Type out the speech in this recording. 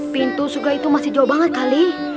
pintu suga itu masih jauh banget kali